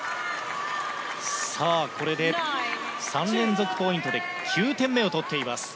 これで３連続ポイントで９点目を取っています。